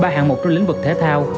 ba hạng mục trong lĩnh vực thể thao